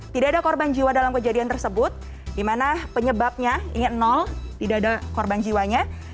tidak ada korban jiwa dalam kejadian tersebut dimana penyebabnya inget tidak ada korban jiwanya